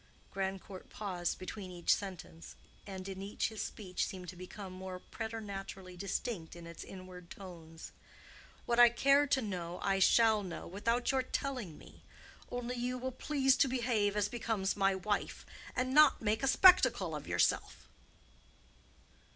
Grandcourt paused between each sentence, and in each his speech seemed to become more preternaturally distinct in its inward tones. "What I care to know I shall know without your telling me. Only you will please to behave as becomes my wife. And not make a spectacle of yourself."